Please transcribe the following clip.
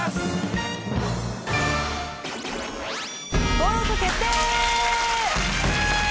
登録決定！